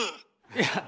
いや。